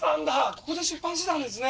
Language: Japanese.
ここで出版してたんですね！